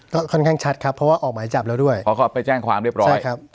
ก็ค่อนข้างชัดครับเพราะว่าออกหมายจับแล้วด้วยเพราะเขาไปแจ้งความเรียบร้อยครับ